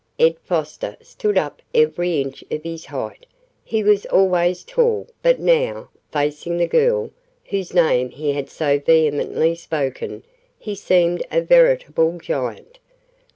Ed Foster stood up every inch of his height. He was always tall, but now, facing the girl whose name he had so vehemently spoken, he seemed a veritable giant.